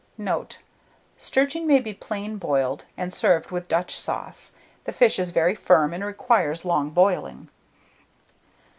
Note. Sturgeon may be plain boiled, and served with Dutch sauce. The fish is very firm, and requires long boiling.